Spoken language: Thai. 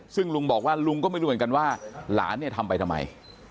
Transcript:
ซึ่งลุงบอกว่าลุงก็ไม่รู้เหมือนกันว่าหลานเนี่ยทำไปทำไม